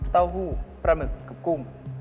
เต้าหู้ปลาหมึกกับกุ้ง